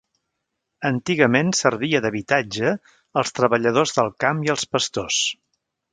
Antigament servia d'habitatge als treballadors del camp i als pastors.